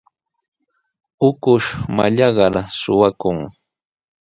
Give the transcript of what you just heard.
Ukush mallaqnar suqakun.